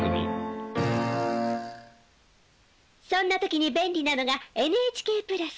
そんな時に便利なのがＮＨＫプラス！